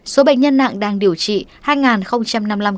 số bệnh nhân nặng đang điều trị hai năm mươi năm ca